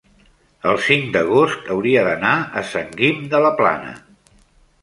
el cinc d'agost hauria d'anar a Sant Guim de la Plana.